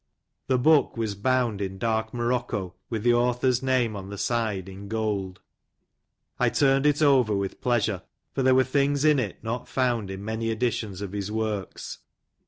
The book was bound in dark morocco, with the authors name on the side, in gold. I turned it ever with pleasure, for there were things in it not found in many editions of his works.